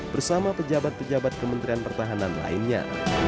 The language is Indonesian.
bersama pejabat pejabat kementerian pertahanan lainnya